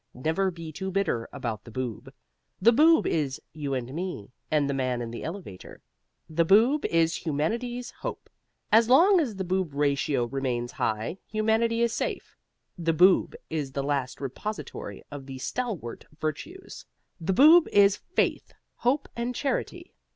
Never be too bitter about the Boob. The Boob is you and me and the man in the elevator. THE BOOB IS HUMANITY'S HOPE As long as the Boob ratio remains high, humanity is safe. The Boob is the last repository of the stalwart virtues. The Boob is faith, hope and charity.